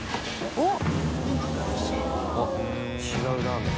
おっ違うラーメン。